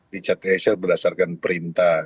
di cat tsc berdasarkan perintah